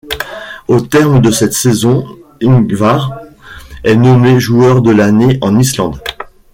Au terme de cette saison, Ingvar est nommé joueur de l'année en Islande.